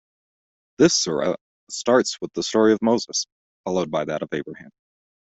This surah starts with the story of Moses, followed by that of Abraham.